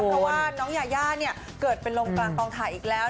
เพราะว่าน้องยาย่าเนี่ยเกิดเป็นลมกลางกองถ่ายอีกแล้ว